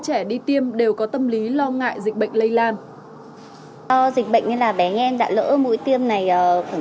trẻ đi tiêm đều có tâm lý lo ngại dịch bệnh lây lan